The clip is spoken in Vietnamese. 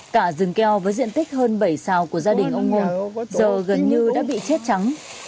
cả rừng keo với diện tích hơn bảy xào của gia đình ông nhung giờ gần như đã bị chết trắng